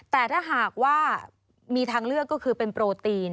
แต่ถ้าหากว่ามีทางเลือกก็คือเป็นโปรตีน